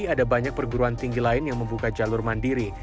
ada banyak perguruan tinggi lain yang membuka jalur mandiri